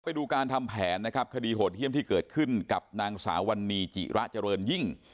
ไปดูการทำแผนนะครับคดีโหดเยี่ยมที่เกิดขึ้นกับนางสาววันนี้จิระเจริญยิ่ง